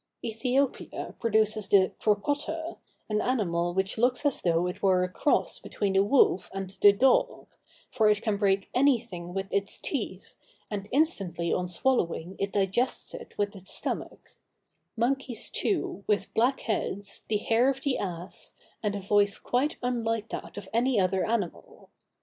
[Illustration: KEITTOA, OR SLOAN'S RHINOCEROS.—Rhinóceros Keittoa.] Æthiopia produces the crocotta, an animal which looks as though it were a cross between the wolf and the dog, for it can break anything with its teeth, and instantly on swallowing it digest it with its stomach; monkeys, too, with black heads, the hair of the ass, and a voice quite unlike that of any other animal.